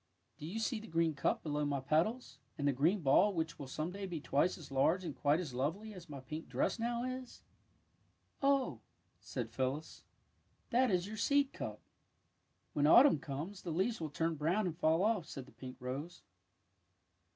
Do you see the green cup below my petals, and the green ball which will some day be twice as large and quite as lovely as my pink dress now is? "Oh," said Phyllis, '^ that is your seed cup." ^^ When autumn comes the leaves will turn brown and fall off," said the pink rose.